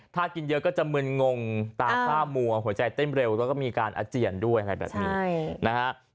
ถ้ากินเยอะก็จะมึนงงตาซ่ามัวหัวใจเต้นเร็วแล้วก็มีการอาเจียนด้วยอะไรแบบนี้นะฮะ